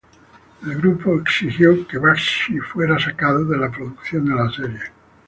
El grupo exigió que Bakshi fuera sacado de la producción de la serie.